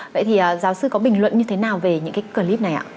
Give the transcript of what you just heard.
vậy thì giáo sư có bình luận như thế nào về những cái clip này ạ